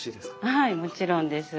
はいもちろんです。